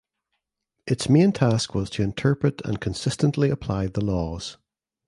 Its main task was to interpret and consistently apply the laws.